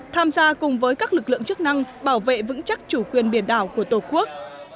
tham gia cùng với các lực lượng chức năng bảo vệ vững chắc chủ quyền biển đảo của tổ quốc